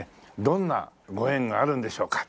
どんなご縁があるんでしょうか。